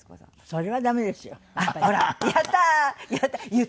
それはダメですよだって。